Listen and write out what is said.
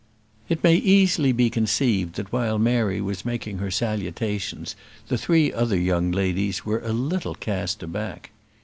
It may easily be conceived, that while Mary was making her salutations the three other young ladies were a little cast aback.